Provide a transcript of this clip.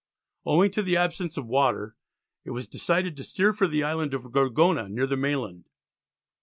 Owing to the absence of water it was decided to steer for the island of Gorgona, near the mainland.